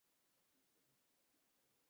তুমি কি আমারে বলতেসো, নাকি জিজ্ঞেস করতেসো?